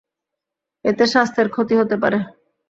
এতে স্বাস্থ্যের ক্ষতি হতে পারে।